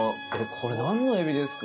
これ何のエビですか？